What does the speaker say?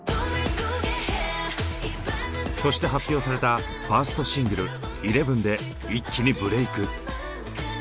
そして発表されたファーストシングル「ＥＬＥＶＥＮ」で一気にブレーク。